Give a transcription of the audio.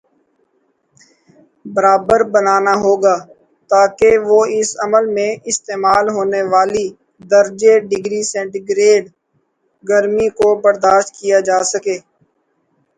برابر بنانا ہوگا تاکہ وہ اس عمل میں استعمال ہونے والی درجے ڈگری سینٹی گریڈگرمی کو برداشت کیا جا سکے